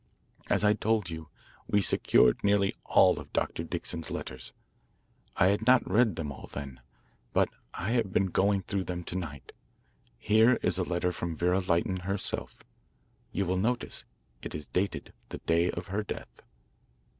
As I told you, we secured nearly all of Dr. Dixon's letters. I had not read them all then. But I have been going through them to night. Here is a letter from Vera Lytton herself. You will notice it is dated the day of her death."